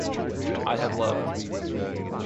I had loved.